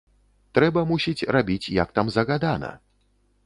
Трэба, мусіць, рабіць, як там загадана.